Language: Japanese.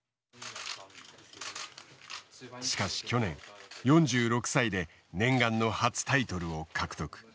しかし去年４６歳で念願の初タイトルを獲得。